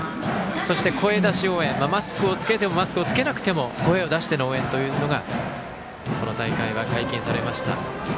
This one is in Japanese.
そして声出し応援マスクをつけても、つけなくても声を出しての応援というのがこの大会は解禁されました。